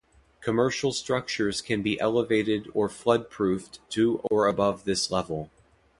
Commercial structures can be elevated or flood proofed to or above this level.